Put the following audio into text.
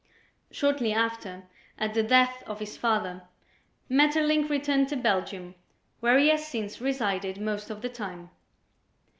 Shortly after, at the death of his father, Maeterlinck returned to Belgium where he has since resided most of the time.